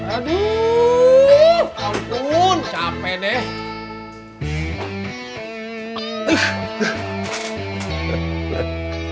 aduh ampun cape deh